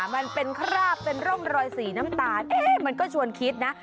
มันเป็นคราบเป็นร่องรอยสีน้ำตาลมันก็ชวนคิดนะ